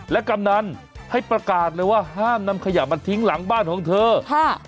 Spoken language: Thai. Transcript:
และกำนันให้ประกาศเลยว่าห้ามนำขยะมาทิ้งหลังบ้านของเธอค่ะ